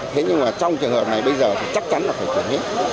thế nhưng mà trong trường hợp này bây giờ chắc chắn là phải kiểm tra hết